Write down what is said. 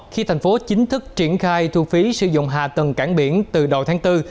khi thành phố chính thức triển khai thu phí sử dụng hạ tầng cảng biển từ đầu tháng bốn